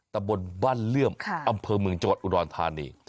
ตำบลบ้านเลื่อมอำเภอเมืองจังหวัดอุดรธานี